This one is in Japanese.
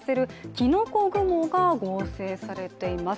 きのこ雲が合成されています。